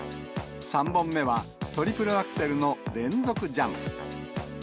３本目はトリプルアクセルの連続ジャンプ。